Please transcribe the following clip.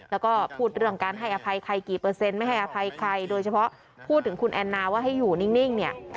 แล้วก็พูดเรื่องการให้อภัยใครตรงการให้อภัยใครด้วยเฉพาะพูดพูดถึงคุณแอนาว่าอยู่นิ่ง